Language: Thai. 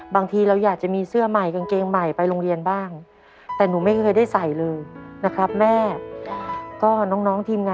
บางทีเราอยากจะมีเสื้อใหม่กางเกงใหม่ไปโรงเรียนบ้าง